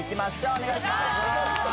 お願いしまーす！